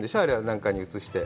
何かに写して。